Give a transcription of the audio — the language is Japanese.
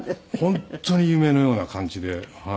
本当に夢のような感じで。